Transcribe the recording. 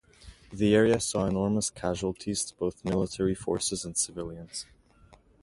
The area saw enormous casualties to both military forces and civilians.